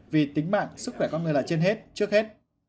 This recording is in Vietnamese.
vì tính mạng sức khỏe con người là trên hết trước hết